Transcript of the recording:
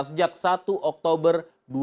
sejak satu oktober dua ribu lima belas